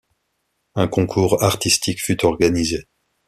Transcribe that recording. Un concours artistique fut organisé.